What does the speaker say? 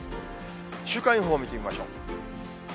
週間予報を見てみましょう。